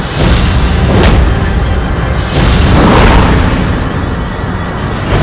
tetap aku yang gak dipemenuhi